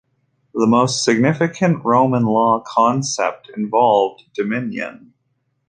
The most significant Roman law concept involved "dominion".